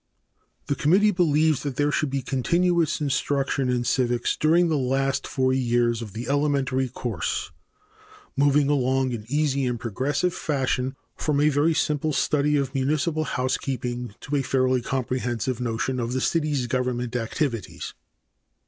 The committee believes that there should be continuous instruction in civics during the last four years of the elementary course, moving along in easy and progressive fashion from a very simple study of municipal housekeeping to a fairly comprehensive notion of the city's government activities.